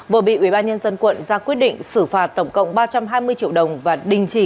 vừa bị ubnd quận ra quyết định xử phạt tổng cộng ba trăm hai mươi triệu đồng và đình chỉ